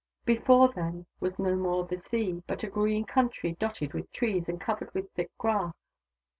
Before them was no more the Sea, but a green country dotted with trees, and covered with thick grass.